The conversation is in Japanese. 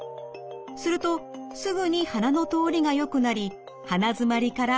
するとすぐに鼻の通りがよくなり鼻づまりから解放されました。